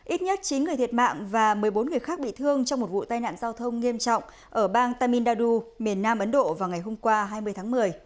ít nhất chín người thiệt mạng và một mươi bốn người khác bị thương trong một vụ tai nạn giao thông nghiêm trọng ở bang tam minh dadu miền nam ấn độ vào ngày hôm qua hai mươi tháng một mươi